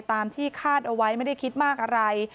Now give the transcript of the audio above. ตามที่คาดเอาไว้ไม่ได้คิดมากอะไร